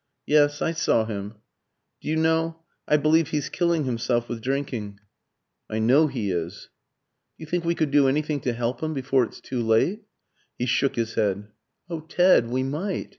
"Yes, I saw him. "Do you know, I believe he's killing himself with drinking." "I know he is." "Do you think we could do anything to help him before it's too late?" He shook his head. "Oh, Ted, we might!